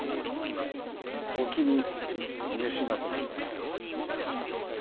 お気に召しませなんだか？